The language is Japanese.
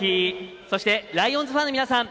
そしてライオンズファンの皆さん。